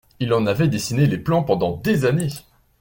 Il en avait dessiné les plans pendant des années.